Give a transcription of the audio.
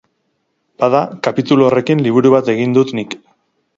Bada, kapitulu horrekin liburu bat egin dut nik.